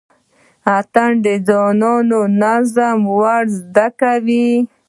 اتڼ ځوانانو ته نظم ور زده کوي.